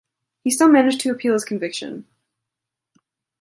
He still managed to appeal his conviction.